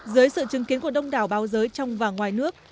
dưới sự chứng kiến của đông đảo báo giới trong và ngoài nước